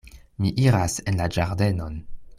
Mi iras en la ĝardenon.